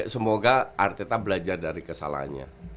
semoga arteta belajar dari kesalahannya